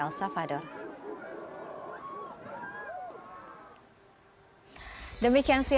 yang disambut antusias oleh masyarakat el salvador